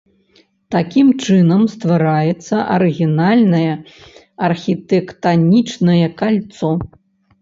Такім чынам ствараецца арыгінальнае архітэктанічнае кальцо.